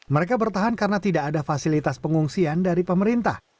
mereka bertahan karena tidak ada fasilitas pengungsian dari pemerintah